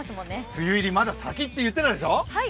梅雨入り、まだ先って言ってたでしょ。